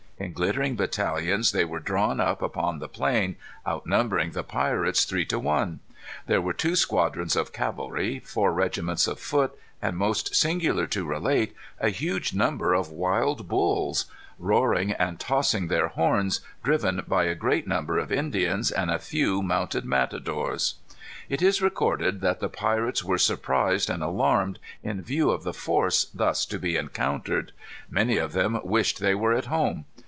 In glittering battalions they were drawn up upon the plain, outnumbering the pirates three to one. There were two squadrons of cavalry, four regiments of foot, and, most singular to relate, "a huge number of wild bulls, roaring and tossing their horns, driven by a great number of Indians and a few mounted matadores." It is recorded that the pirates were surprised and alarmed in view of the force thus to be encountered. Many of them wished they were at home.